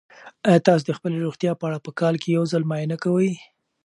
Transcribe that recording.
آیا تاسو د خپلې روغتیا په اړه په کال کې یو ځل معاینه کوئ؟